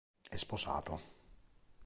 È sposato.